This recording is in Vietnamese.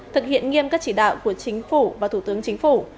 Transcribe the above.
thực hiện nghiêm các chỉ đạo của chính phủ và thủ tướng chính phủ